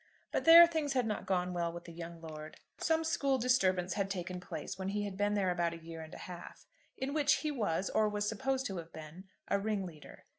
But there, things had not gone well with the young lord. Some school disturbance had taken place when he had been there about a year and a half, in which he was, or was supposed to have been, a ringleader.